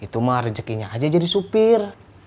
itu mah rezekinya aja jadi supir